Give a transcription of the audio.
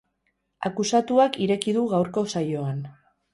Akusatuak ireki du gaurko saioan.